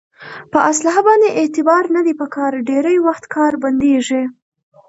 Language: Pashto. په اصلحه باندې اعتبار نه دی په کار ډېری وخت کار بندېږي.